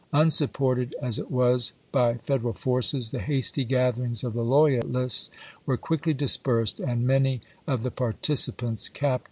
Unsupported as it was by Federal forces, the hasty gatherings of the loyalists were quickly dispersed, and many of the participants captured.